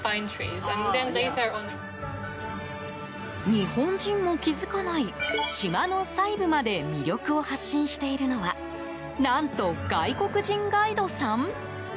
日本人も気づかない島の細部まで魅力を発信しているのは何と外国人ガイドさん？